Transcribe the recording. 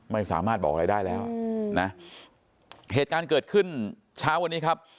ไม่สามารถบอกอะไรได้แล้วนะเหตุการณ์เกิดขึ้นเช้าวันนี้ครับ